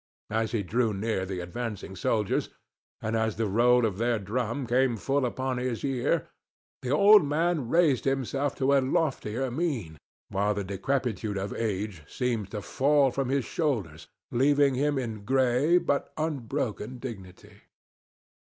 As he drew near the advancing soldiers, and as the roll of their drum came full upon his ear, the old man raised himself to a loftier mien, while the decrepitude of age seemed to fall from his shoulders, leaving him in gray but unbroken dignity.